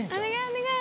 お願い！